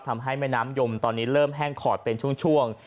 ทำให้แม่น้ำยมตอนนี้เริ่มแห้งขอดเป็นช่วง